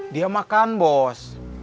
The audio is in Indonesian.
dia makan bos